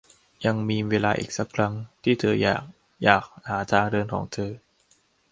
ยังมีเวลาอีกสักครั้งที่เธออยาก อยากหาทางเดินของเธอ